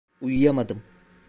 Uyuyamadım.